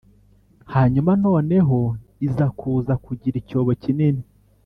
hanyuma noneho iza kuza kugira icyobo kinini,